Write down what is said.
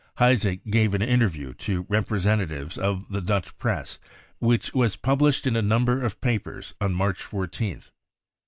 Heisig gave an interview to representatives of the Dutch Press, which was published in a number of papers on March 14th.